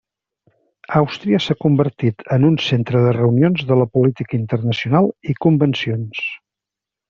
Àustria s'ha convertit en un centre de reunions de la política internacional i convencions.